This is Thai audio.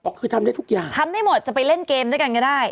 คือทำได้ทุกอย่างทำได้หมดจะไปเล่นเกมด้วยกันก็ได้